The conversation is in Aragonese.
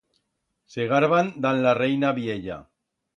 Se garban dan la reina viella.